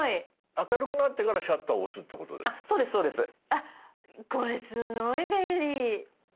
あっこれすごい便利！